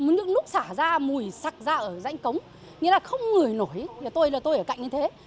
những lúc xả ra mùi sặc ra ở danh cống nghĩa là không người nổi nhà tôi là tôi ở cạnh như thế